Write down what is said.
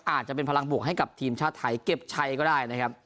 อาจจะเป็นพลังบวกให้กับทีมชาติไทยเก็บชัยก็ได้นะครับ